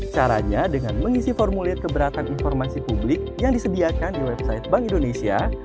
caranya dengan mengisi formulir keberatan informasi publik yang disediakan di website bank indonesia